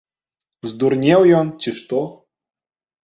Здурнеў ён, ці што?